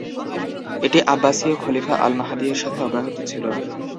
এটি আব্বাসীয় খলিফা আল-মাহদী এর সাথে অব্যাহত ছিল।